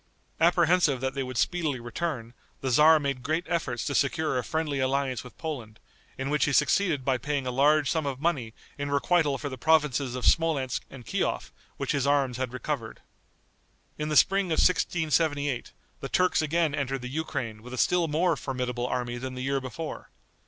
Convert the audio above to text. Apprehensive that they would speedily return, the tzar made great efforts to secure a friendly alliance with Poland, in which he succeeded by paying a large sum of money in requital for the provinces of Smolensk and Kiof which his arms had recovered. In the spring of 1678, the Turks again entered the Ukraine with a still more formidable army than the year before.